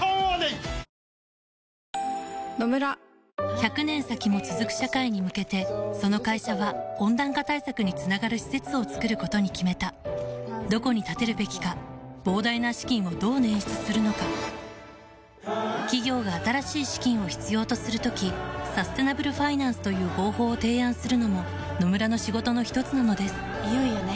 １００年先も続く社会に向けてその会社は温暖化対策につながる施設を作ることに決めたどこに建てるべきか膨大な資金をどう捻出するのか企業が新しい資金を必要とする時サステナブルファイナンスという方法を提案するのも野村の仕事のひとつなのですいよいよね。